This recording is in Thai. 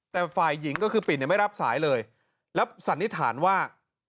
แต่ฝ่ายหญิงก็คือปิ่นเนี่ยไม่รับสายเลยแล้วสันนิษฐานว่า